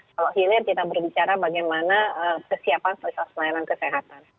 kalau hilir kita berbicara bagaimana kesiapan fasilitas pelayanan kesehatan